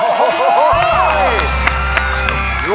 โอ้โฮโอ้โฮ